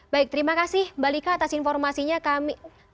baik terima kasih mbak lika atas informasinya kami